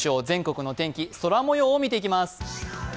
全国の天気、空もようを見ていきます。